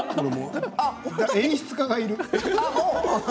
演出家がいる。